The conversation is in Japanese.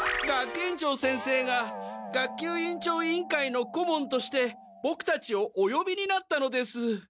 学園長先生が学級委員長委員会のこもんとしてボクたちをおよびになったのです。